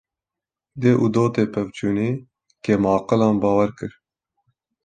Dê û dotê pevçûnî, kêm aqilan bawer kir